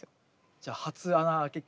じゃあ初穴あけ器。